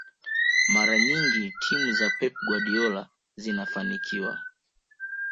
mara nyingi timu za pep guardiola zinafanikiwa